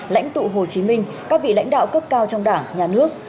lãnh tụ hồ chí minh các vị lãnh đạo cấp cao trong đảng nhà nước